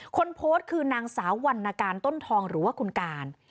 คนโพสต์คือนางสาววรรณการต้นทองหรือว่าคุณการ